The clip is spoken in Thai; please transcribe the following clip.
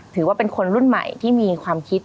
ถือว่าเป็นคนรุ่นใหม่ที่มีความคิด